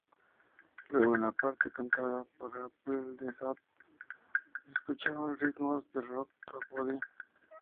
Luego en la parte cantada por Apl.de.ap se escuchan ritmos de "Rock That Body".